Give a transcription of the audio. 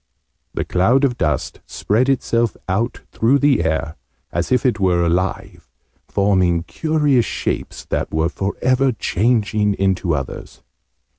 The cloud of dust spread itself out through the air, as if it were alive, forming curious shapes that were for ever changing into others.